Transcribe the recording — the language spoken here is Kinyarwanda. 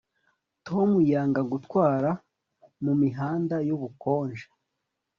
Tom yanga gutwara mumihanda yubukonje